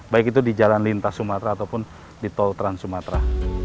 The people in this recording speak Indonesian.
baik itu di jalan lintas sumatera ataupun di tol trans sumatera